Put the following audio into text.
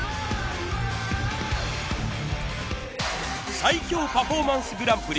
最強パフォーマンスグランプリ